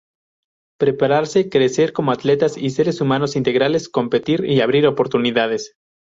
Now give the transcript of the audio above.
Prepararse, crecer como atletas y seres humanos integrales, competir y abrir oportunidades.